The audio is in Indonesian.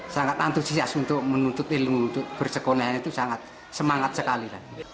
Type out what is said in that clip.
sangat antusias untuk menuntut ilmu untuk bersekolah itu sangat semangat sekali lagi